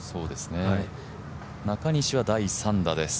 中西は第３打です。